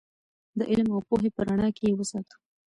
د علم او پوهې په رڼا کې یې وساتو.